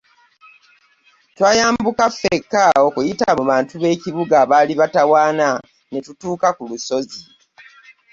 Twayambuka ffekka okuyita mu bantu b'ekibuga abaali batawaana, ne tutuuka ku lusozi.